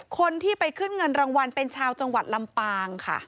คนที่ไปขึ้นเงินรางวัลเป็นชาวจังหวัดลำปางค่ะ